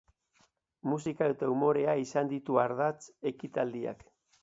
Musika eta umorea izan ditu ardatz ekitaldiak.